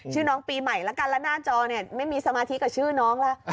ชื่อน้องปีใหม่แล้วกันแล้วหน้าจอเนี่ยไม่มีสมาธิกับชื่อน้องแล้ว